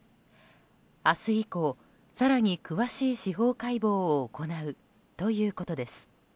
明日以降、さらに詳しい司法解剖を行うということです。